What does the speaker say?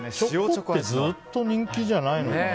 チョコってずっと人気じゃないのかな。